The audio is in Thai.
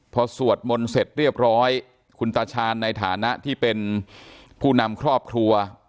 พอสวดมนต์เสร็จเรียบร้อยคุณตาชาญในฐานะที่เป็นผู้นำครอบครัว